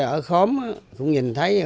ở khóm cũng nhìn thấy